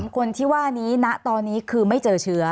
๓คนที่ว่านี้ณตอนนี้คือไม่เจอเชื้อ